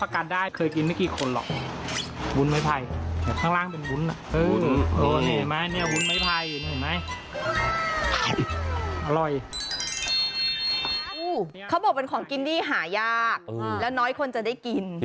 เขาบอกเป็นของกินที่หายากแล้วน้อยคนจะได้กิน